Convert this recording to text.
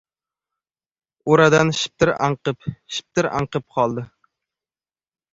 O‘radan shiptir anqib-shiptir anqib qoldi.